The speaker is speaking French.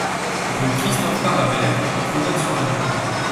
Rue Christophe Parabère, Grenade-sur-l'Adour